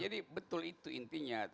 jadi betul itu intinya